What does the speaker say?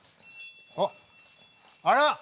あっあら！